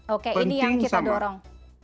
oke ini yang kita dorong